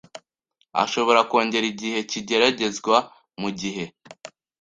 ashobora kongera igihe cy igeragezwa mu gihe